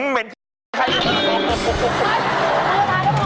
เม็ดไหมได้เข้ะ